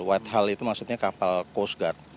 white house itu maksudnya kapal coast guard